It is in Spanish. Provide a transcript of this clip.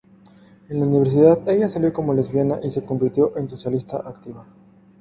En la universidad ella salió como lesbiana y se convirtió en socialista activa.